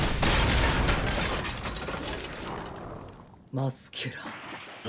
マスキュラー。